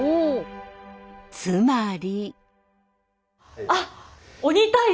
つまり。